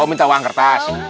oh minta uang kertas